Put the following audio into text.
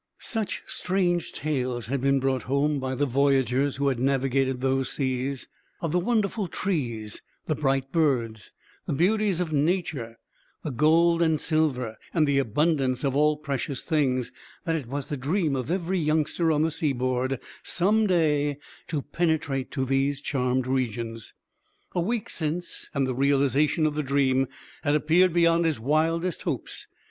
Such strange tales had been brought home, by the voyagers who had navigated those seas, of the wonderful trees, the bright birds, the beauties of nature, the gold and silver, and the abundance of all precious things, that it was the dream of every youngster on the seaboard some day to penetrate to these charmed regions. A week since, and the realization of the dream had appeared beyond his wildest hopes.